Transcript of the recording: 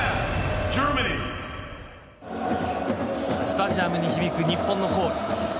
スタジアムに響く日本のコール。